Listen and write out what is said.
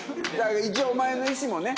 一応お前の意思もね。